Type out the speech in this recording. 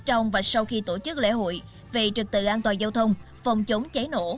trong và sau khi tổ chức lễ hội về trực tự an toàn giao thông phòng chống cháy nổ